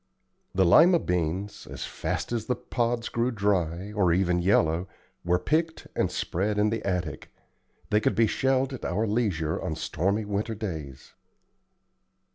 The Lima beans, as fast as the pods grew dry, or even yellow, were picked and spread in the attic. They could be shelled at our leisure on stormy winter days.